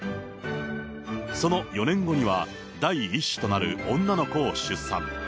その４年後には、第１子となる女の子を出産。